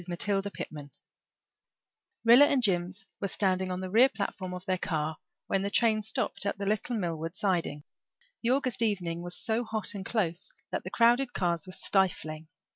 MATILDA PITTMAN Rilla and Jims were standing on the rear platform of their car when the train stopped at the little Millward siding. The August evening was so hot and close that the crowded cars were stifling.